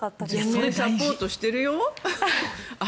それ、サポートしてるよ。